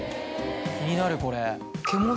気になるこれ。